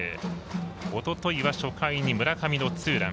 おとといは初回に村上のツーラン。